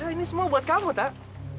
ini semua buat kamu tak